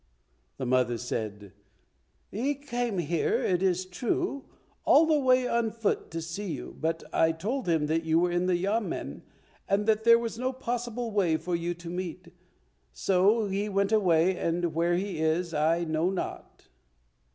The mother said, "He came here, it is true, all the way on foot to see you, but I told him that you were in the yamen and that there was no possible way for you to meet, so he went away and where he is I know not."